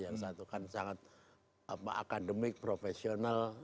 itu kan sangat akademik profesional